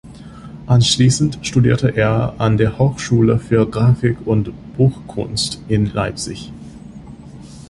Anschließend studierte er an der Hochschule für Graphik und Buchkunst in Leipzig.